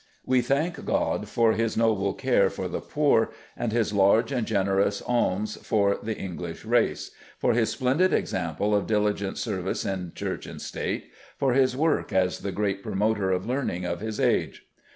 We thank God for his noble care for the poor, and his large and generous aims for the English race; for his splendid example of diligent service in Church and State; for his work as the great promoter of learning of his age."